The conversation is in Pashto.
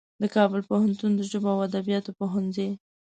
د کابل پوهنتون د ژبو او ادبیاتو پوهنځي